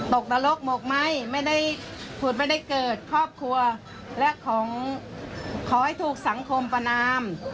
กนรกหมกไหมไม่ได้ขุดไม่ได้เกิดครอบครัวและของขอให้ถูกสังคมประนาม